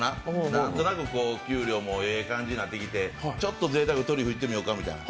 何となく給料もええ感じになってきてちょっとぜいたく、トリュフいってみようかみたいな。